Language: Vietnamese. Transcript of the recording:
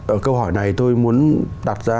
ở câu hỏi này tôi muốn đặt ra